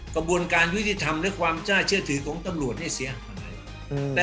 กระบวนการยุติธรรมและความน่าเชื่อถือของตำรวจเนี่ยเสียหาย